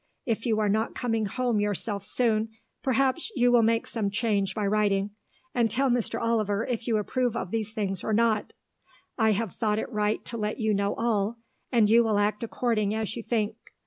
If you are not coming home yourself soon, perhaps you will make some change by writing, and tell Mr. Oliver if you approve of above things or not. I have thought it right to let you know all, and you will act according as you think.